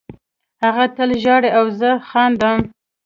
هغه تل ژاړي او زه خاندم